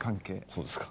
そうですか。